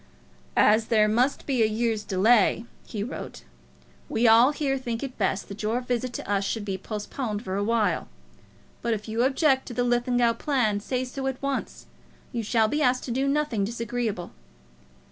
"As there must be a year's delay," he wrote, "we all here think it best that your visit to us should be postponed for a while. But if you object to the Linlithgow plan, say so at once. You shall be asked to do nothing disagreeable."